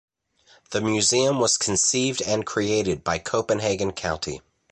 The museum was conceived and created by Copenhagen County.